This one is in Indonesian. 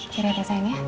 seri hati sayang ya